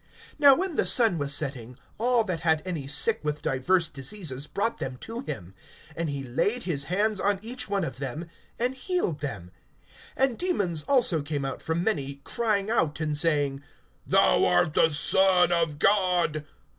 (40)Now when the sun was setting, all that had any sick with divers diseases brought them to him; and he laid his hands on each one of them, and healed them. (41)And demons also came out from many, crying out, and saying: Thou art the Son of God.